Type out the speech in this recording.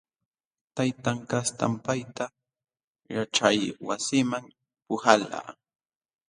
Taytan kastam payta yaćhaywasiman puhalqa.